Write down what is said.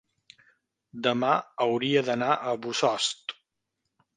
demà hauria d'anar a Bossòst.